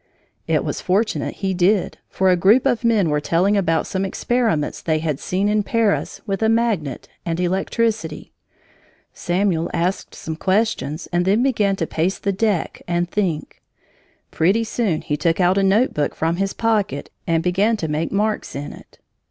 It was fortunate he did, for a group of men were telling about some experiments they had seen in Paris with a magnet and electricity. Samuel asked some questions and then began to pace the deck and think. Pretty soon he took out a notebook from his pocket and began to make marks in it.